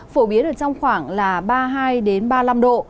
phổ biến ở trong khoảng là ba mươi hai ba mươi năm độ